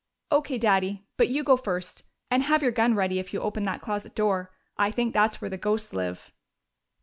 "O.K., Daddy. But you go first. And have your gun ready if you open that closet door. I think that's where the ghosts live."